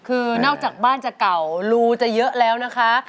คือนอกจากบ้านจะเก่ารูจะเยอะแล้วนะคะ